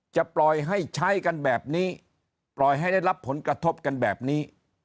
จะปล่อยให้ใช้กันแบบนี้ปล่อยให้ได้รับผลกระทบกันแบบนี้